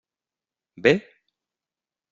Bé?